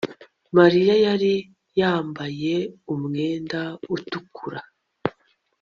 Mariya yari yambaye umwenda utukura